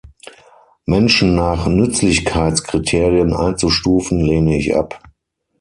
Menschen nach Nützlichkeitskriterien einzustufen, lehne ich ab.